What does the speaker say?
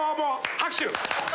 拍手！